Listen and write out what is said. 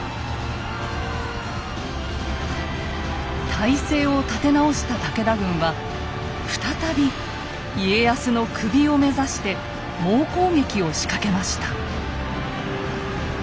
態勢を立て直した武田軍は再び家康の首を目指して猛攻撃を仕掛けました。